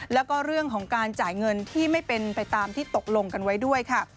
แล้วก็เรื่องของการจ่ายเงินที่ไม่เป็นไปตามที่ตกลงกันไว้ด้วยค่ะ